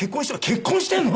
「結婚してんの？」